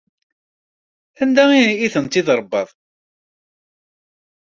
Anda ay tent-id-tṛebbaḍ?